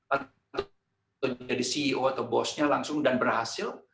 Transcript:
atau jadi ceo atau bosnya langsung dan berhasil